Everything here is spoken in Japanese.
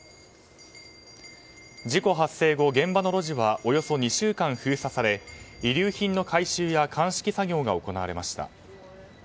事故発生後、現場の路地はおよそ２週間封鎖され遺留品の回収や鑑識作業が行われました。